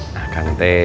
nah kang teh